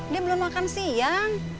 dia belum makan siang